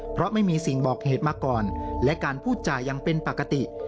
เพราะไม่มีสิ่งบอกเหตุมาก่อนและการพูดจายังเป็นปกติ